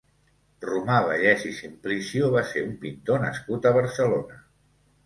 Romà Vallès i Simplicio va ser un pintor nascut a Barcelona.